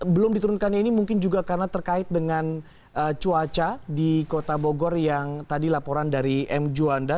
belum diturunkannya ini mungkin juga karena terkait dengan cuaca di kota bogor yang tadi laporan dari m juanda